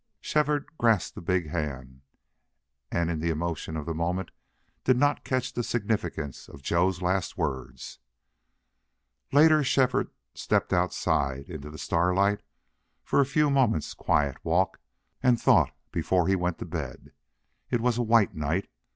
Shefford grasped the big hand and in the emotion of the moment did not catch the significance of Joe's last words. Later Shefford stepped outside into the starlight for a few moments' quiet walk and thought before he went to bed. It was a white night.